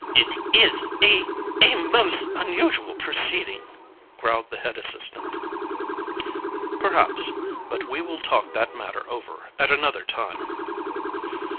"It is a a most unusual proceeding," growled the head assistant. "Perhaps, but we will talk that matter over at another time."